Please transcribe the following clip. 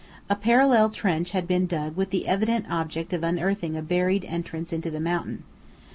A parallel trench had been dug with the evident object of unearthing a buried entrance into the mountain.